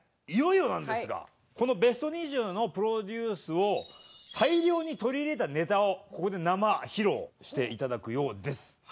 いよいよなんですがこのベスト２０のプロデュースを大量に取り入れたネタをここで生披露して頂くようです。